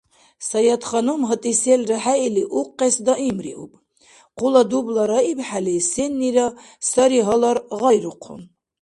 Саятханум, гьатӀи селра хӀеили, укъес даимриуб. Хъула дубла раибхӀели, сеннира сари гьалар гъайрухъун: